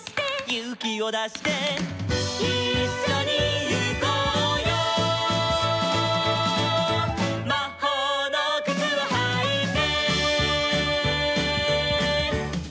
「ゆうきをだして」「いっしょにゆこうよ」「まほうのくつをはいて」